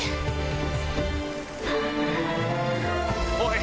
おい！